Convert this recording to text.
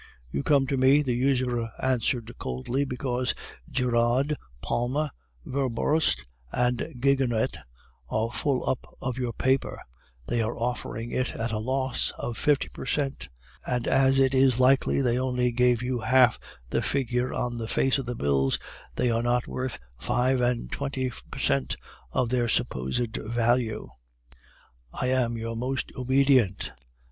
"'You come to me,' the usurer answered coldly, 'because Girard, Palma, Werbrust, and Gigonnet are full up of your paper; they are offering it at a loss of fifty per cent; and as it is likely they only gave you half the figure on the face of the bills, they are not worth five and twenty per cent of their supposed value. I am your most obedient!